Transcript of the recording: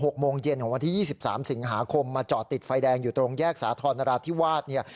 หกโมงเย็นของวันที่๒๓สิงหาคมมาจอติดไฟแดงอยู่ตรงแยกสาธารณราชที่วาดเนี่ย